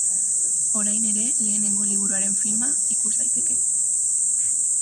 Orain ere lehenengo liburuaren filma ikus daiteke.